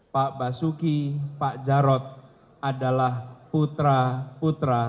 pak basuki pak jarod adalah putra putra